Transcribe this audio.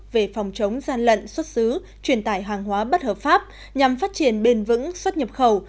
về phòng chống gian lận xuất xứ truyền tải hàng hóa bất hợp pháp nhằm phát triển bền vững xuất nhập khẩu